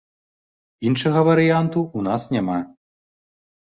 Іншага варыянту ў нас няма.